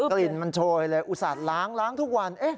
กลิ่นมันโชยเลยอุตส่าห์ล้างล้างทุกวัน